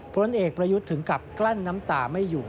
ผลเอกประยุทธ์ถึงกับกลั้นน้ำตาไม่อยู่